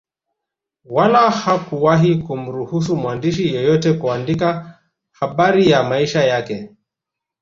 Wala hakuwahi kumruhusu mwandishi yeyote kuandika habari ya maisha yake